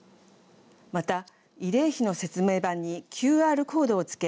また、慰霊碑の説明板にＱＲコードを付け